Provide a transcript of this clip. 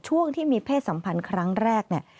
ช่วงที่มีเพศสัมพันธ์ครั้งแรกเนี่ย